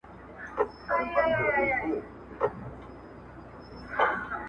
څه ښه وايي « بنده راسه د خدای خپل سه.!